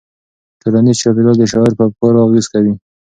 ټولنیز چاپیریال د شاعر په افکارو اغېز کوي.